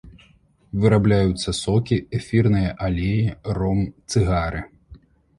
Вырабляюцца сокі, эфірныя алеі, ром, цыгары.